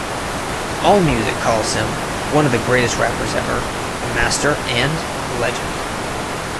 Allmusic calls him "one of the greatest rappers ever", "a master", and "a legend".